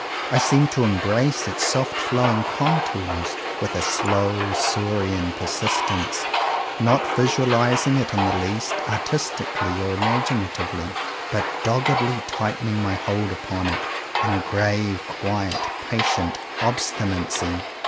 I seem to embrace its soft flowing contours with a slow, Saurian persistence; not visualizing it in the least, artistically or imaginatively, but doggedly tightening my hold upon it, in a grave, quiet, patient obstinacy.